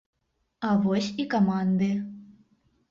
А вось і каманды.